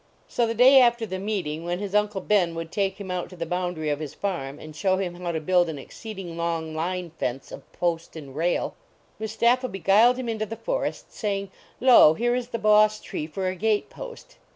So the day after the meeting, when his Uncle Ben would take him out to the boundary of his farm and show him how to build an exceeding long line fence of post and rail, Mustapha beguiled him into the forest, say ing, " Lo, here is the boss tree for a gate post."